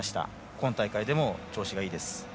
今大会でも調子がいいです。